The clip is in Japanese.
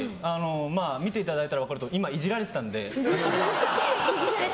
見ていただいたら分かるとおり今、イジられてたので。